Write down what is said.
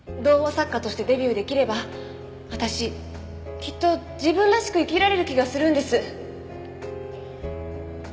童話作家としてデビュー出来れば私きっと自分らしく生きられる気がするんです。